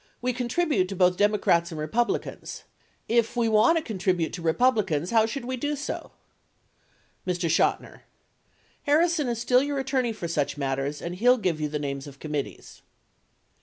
We contribute to both Democrats and Republicans. If we want to contribute to Republicans, how should we do so ? Mr. Chotiner. Harrison is still your attorney for such mat ters, and he'll give you the names of committees.